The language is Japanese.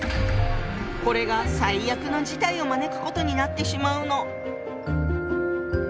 これが最悪の事態を招くことになってしまうの。